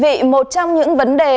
vì một trong những vấn đề